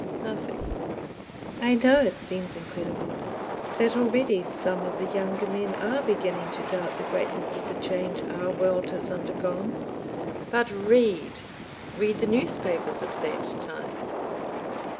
Nothing. ... I know it seems incredible, that already some of the younger men are beginning to doubt the greatness of the Change our world has undergone, but read—read the newspapers of that time.